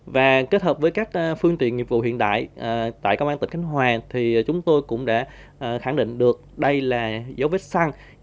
và kết hợp với các phương tiện nghiệp vụ hiện đại tại công an tỉnh khánh hòa thì chúng tôi cũng đã khẳng định được đây là dấu vết xăng